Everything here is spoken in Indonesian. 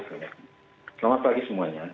selamat pagi semuanya